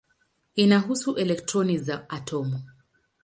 Inahusu elektroni za atomu.